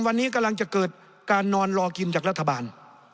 วันนี้กำลังจะเกิดการนอนรอกินจากรัฐบาล